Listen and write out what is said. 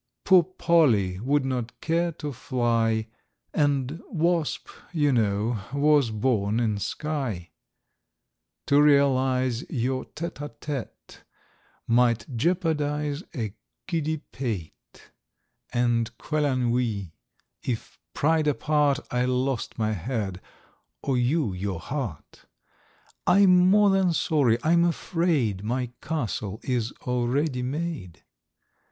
Poor Polly would not care to fly; And Wasp, you know, was born in Skye. To realise your tête à tête Might jeopardise a giddy pate; And quel ennui! if, pride apart, I lost my head, or you your heart. I'm more than sorry, I'm afraid My Castle is already made.